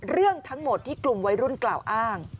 เรื่องทั้งหมดที่กลุ่มวัยรุ่นกล่าวอ้าง